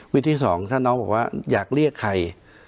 วิธีสองท่าน้องว่าอยากเรียกใคร